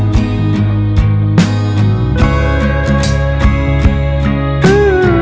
lu berdoa aja